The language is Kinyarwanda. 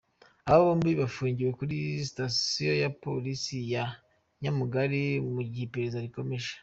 Aba bombi bafungiwe kuri sitasiyo ya Polisi ya Nyamugali mu gihe iperereza rikomeje.